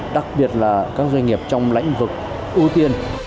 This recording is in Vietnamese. đặc biệt là các doanh nghiệp trong lĩnh vực ưu tiên